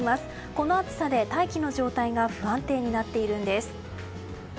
この暑さで大気の状態が不安定になっているんです。